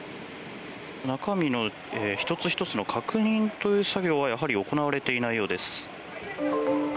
中身の１つ１つの確認という作業はやはり行われていないようです。